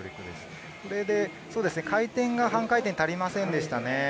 回転が半回転足りませんでした。